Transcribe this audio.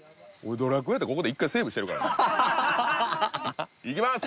ドラクエやったらここで一回セーブしてるからないきます！